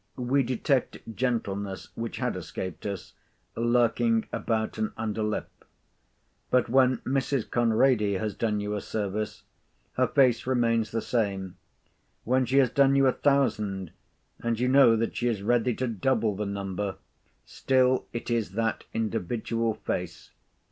We detect gentleness, which had escaped us, lurking about an under lip. But when Mrs. Conrady has done you a service, her face remains the same; when she has done you a thousand, and you know that she is ready to double the number, still it is that individual face.